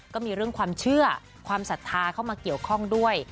ก็มีเรื่องความเชื่อความศรัทธาเข้ามาเกี่ยวข้องด้วย